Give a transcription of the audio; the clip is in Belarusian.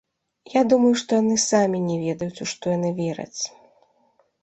Я думаю, што яны самі не ведаюць, у што яны вераць.